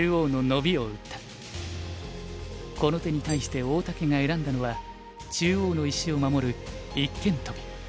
この手に対して大竹が選んだのは中央の石を守る一間トビ。